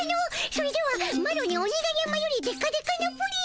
それではマロに鬼が山よりでかでかなプリンを。